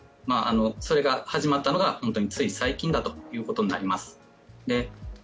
それが始まったのがつい最近だということになります。